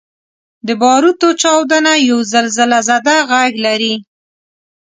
• د باروتو چاودنه یو زلزلهزده ږغ لري.